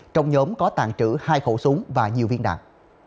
trong nhóm có tàn trữ hai khẩu súng và nhiều viên đạn